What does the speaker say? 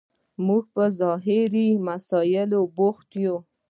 موږ په ظاهري مسایلو بوخت یو.